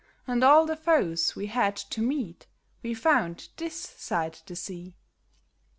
And all the foes we had to meet we found this side the sea.